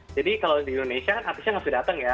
jadi kalau di indonesia artisnya nggak bisa datang ya